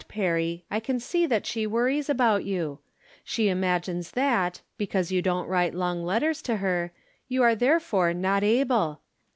Perry, I can see that she worries about you. She imagines that, because you don't write long letters to her, you are therefore not able.